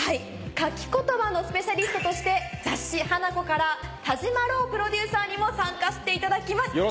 書きコトバのスペシャリストとして雑誌『Ｈａｎａｋｏ』から田島朗プロデューサーにも参加していただきます。